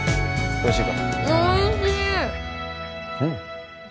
おいしい！